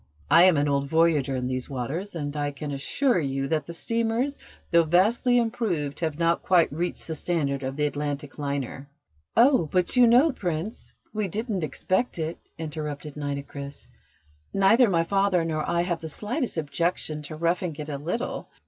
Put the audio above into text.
I am an old voyager in these waters, and I can assure you that the steamers, though vastly improved, have not quite reached the standard of the Atlantic liner." "Oh, but you know, Prince, we didn't expect it," interrupted Nitocris. "Neither my father nor I have the slightest objection to roughing it a little.